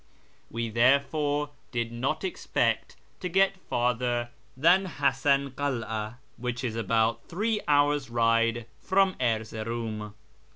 We therefore did not expect to get farther than Hasan Kara, which is about three hours' ride from Erzeroum.